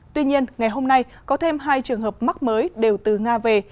tuy nhiên ngày hôm nay có thêm hai trường hợp mắc mới đều từ nga về